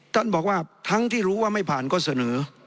ท่านบอกว่าทั้งที่รู้ว่าไม่ผ่านก็เสนอ